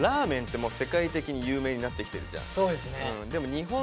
そうですね。